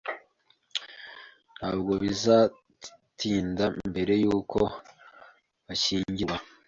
Ntabwo bizatinda mbere yuko bashyingirwa.